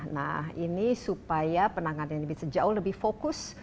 nah ini supaya penanganan ini bisa jauh lebih fokus